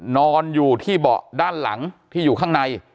นอนอยู่ที่เบาะด้านหลังที่อยู่ข้างใน